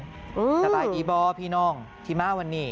สบายดีบ่พี่น้องที่มาวันนี้